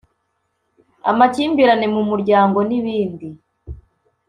amakimbirane mu muryango n’ibindi